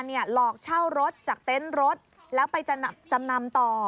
หลอกเช่ารถจากเต็นต์รถแล้วไปจำนำต่อ